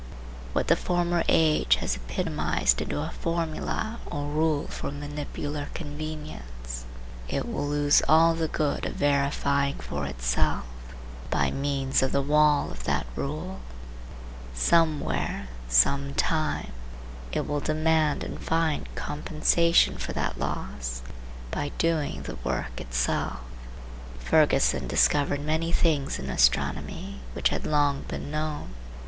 What the former age has epitomized into a formula or rule for manipular convenience, it will lose all the good of verifying for itself, by means of the wall of that rule. Somewhere, sometime, it will demand and find compensation for that loss, by doing the work itself. Ferguson discovered many things in astronomy which had long been known.